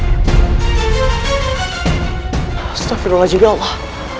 astaghfirullahaladzim ya allah